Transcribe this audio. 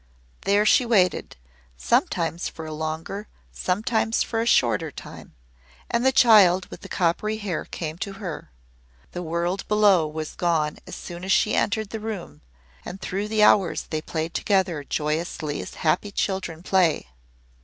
There she waited sometimes for a longer sometimes for a shorter time and the child with the coppery hair came to her. The world below was gone as soon as she entered the room, and through the hours they played together joyously as happy children play.